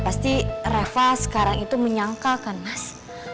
pasti reva sekarang itu menyangkalkan mas